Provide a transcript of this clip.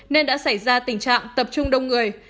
nên đã xảy ra tình trạng tập trung đông người